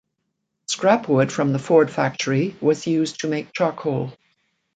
Scrap wood from the Ford factory was used to make charcoal.